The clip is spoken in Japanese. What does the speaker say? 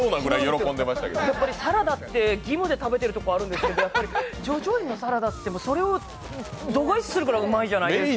サラダって義務で食べてるところがあるんですけど叙々苑のサラダはそれを度外視するぐらいうまいじゃないですか。